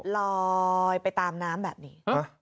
ลอยไปตามน้ำแบบนี้